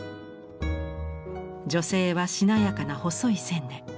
女性はしなやかな細い線で。